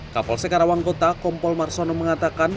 kapol sekarawang kota kompol marsono mengatakan